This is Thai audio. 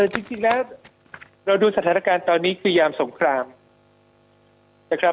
จริงแล้วเราดูสถานการณ์ตอนนี้คือยามสงครามนะครับ